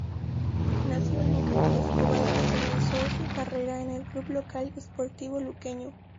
Nació en Luque, Escobar y comenzó su carrera en el club local Sportivo Luqueño.